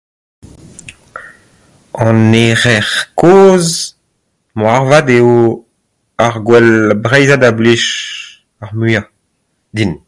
An Erer-kozh moarvat eo ar gouel breizhat a blij ar muiañ din.